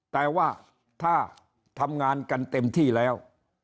แต่ว่าถ้าทำงานกันเต็มที่แล้ว